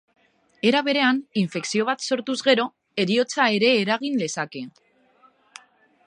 Era berean, infekzio bat sortuz gero, heriotza ere eragin lezake.